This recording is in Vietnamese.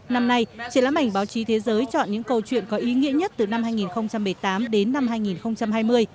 năm nay triển lãm ảnh báo chí thế giới chọn những câu chuyện có ý nghĩa nhất từ năm hai nghìn một mươi tám đến năm hai nghìn hai mươi